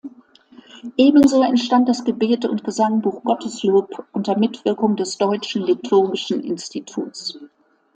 Ebenso entstand das Gebet- und Gesangbuch "Gotteslob" unter Mitwirkung des Deutschen Liturgischen Instituts.